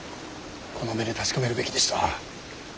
この目で確かめるべきでした。